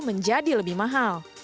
menjadi lebih mahal